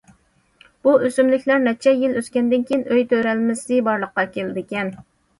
بۇ ئۆسۈملۈكلەر نەچچە يىل ئۆسكەندىن كېيىن ئۆي تۆرەلمىسى بارلىققا كېلىدىكەن.